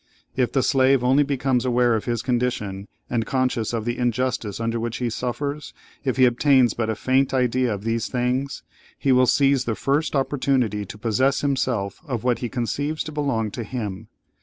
If the slave only becomes aware of his condition, and conscious of the injustice under which he suffers, if he obtains but a faint idea of these things, he will seize the first opportunity to possess himself of what he conceives to belong to him.